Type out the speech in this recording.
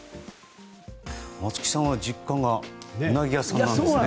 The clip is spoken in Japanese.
松木さんは実家がウナギ屋さんなんですね。